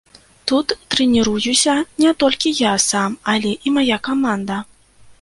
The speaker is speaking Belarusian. Тут трэніруюся не толькі я сам, але і мая каманда.